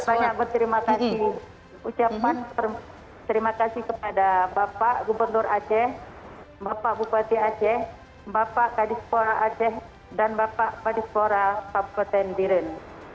banyak berterima kasih ucapan terima kasih kepada bapak gubernur aceh bapak bupati aceh bapak kadispora aceh dan bapak kadispora kabupaten biren